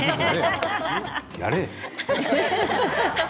やれ！